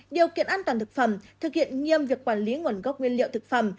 điều kiện an toàn thực phẩm thực hiện nghiêm việc quản lý nguồn gốc nguyên liệu thực phẩm